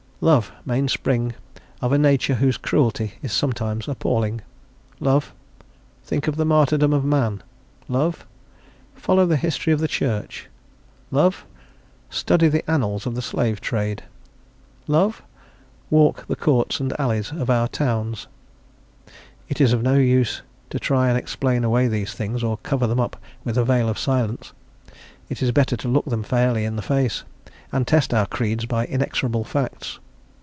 Love, mainspring of a nature whose cruelty is sometimes appalling? Love? Think of the "martyrdom of man!" Love? Follow the History of the Church! Love? Study the annals of the slave trade! Love? Walk the courts and alleys of our towns! It is of no use to try and explain away these things, or cover them up with a veil of silence; it is better to look them fairly in the face, and test our creeds by inexorable facts.